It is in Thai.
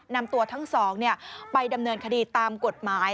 นำตัวทั้งสองไปดำเนินคดีตามกฎหมาย